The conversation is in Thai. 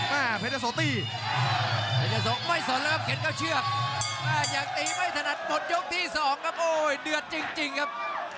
แต่อย่างตีไม่ถนัดหมดยกที่สองครับโอ้ยเดือดจริงครับ